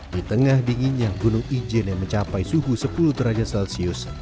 di tengah dinginnya gunung ijen yang mencapai suhu sepuluh derajat celcius